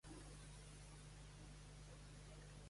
La Ordnance Survey indica que el nom és Cairn o' Mount.